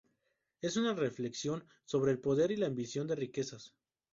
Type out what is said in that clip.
Es una reflexión sobre el poder y la ambición de riquezas.